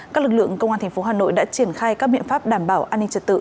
các lực lượng công an tp hà nội đã triển khai các biện pháp đảm bảo an ninh trật tự